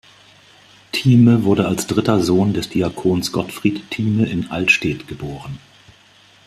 Thieme wurde als dritter Sohn des Diakons Gottfried Thieme in Allstedt geboren.